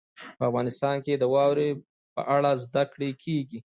په افغانستان کې د واورې په اړه زده کړه کېږي.